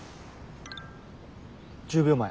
１０秒前。